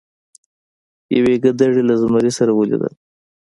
یوې ګیدړې له زمري سره ولیدل.